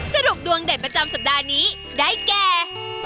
สรุปดวงเด่นประจำสัปดาห์นี้ได้แก่